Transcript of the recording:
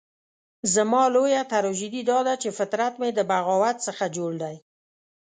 زما لويه تراژیدي داده چې فطرت مې د بغاوت څخه جوړ دی.